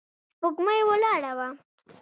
سپوږمۍ ولاړه وه.